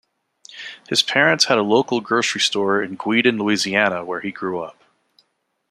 His parents had a local grocery store in Gueydan, Louisiana, where he grew up.